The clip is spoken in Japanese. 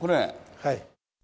はい。